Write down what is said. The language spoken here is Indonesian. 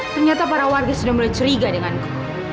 ternyata para warga sudah mulai curiga denganku